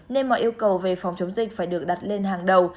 nên mọi yêu cầu về phòng chống dịch phải được đặt lên hàng đầu